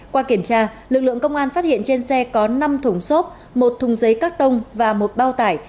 qua kiểm tra lực lượng công an phát hiện trên xe có năm thùng xốp một thùng giấy các tông và một bao tải